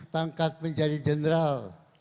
pangkat menjadi general